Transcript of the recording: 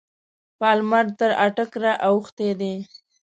پالمر تر اټک را اوښتی دی.